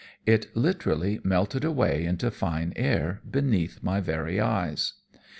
It literally melted away into fine air beneath my very eyes.